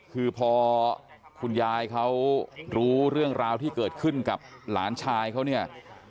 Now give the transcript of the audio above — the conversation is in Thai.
คือพอคุณยายเขารู้เรื่องราวที่เกิดขึ้นกับหลานชายเขาเนี่ย